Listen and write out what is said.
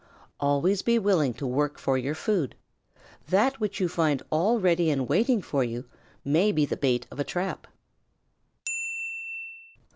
"Always be willing to work for your food. That which you find all ready and waiting for you may be the bait of a trap.